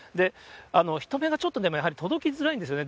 人目がちょっと、届きづらいんですよね。